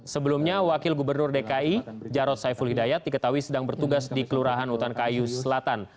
sebelumnya wakil gubernur dki jarod saiful hidayat diketahui sedang bertugas di kelurahan utan kayu selatan